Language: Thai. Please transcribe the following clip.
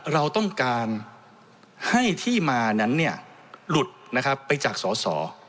เราต้องการให้ที่มานั้นหลุดนะครับไปจากสอสอ